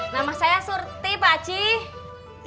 nama saya surti pakcik